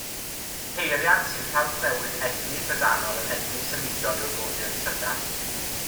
Peiriant sy'n trawsnewid egni trydanol yn egni symudol yw'r modur trydan.